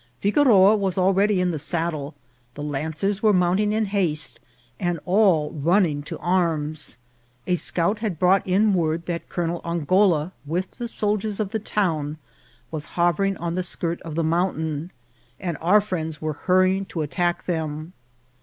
Figoroa was already in the saddle, the lancers were mounting in haste, and all running to arms. A scout had brought in word that Colonel An goula, with the soldiers of the town, was hovering on the skirt of the mountain, and our friends were hurrying to attack them.